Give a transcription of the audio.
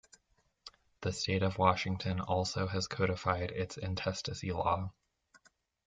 The state of Washington also has codified its intestacy law.